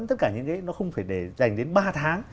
tất cả những cái nó không phải để dành đến ba tháng